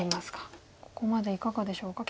ここまでいかがでしょうか？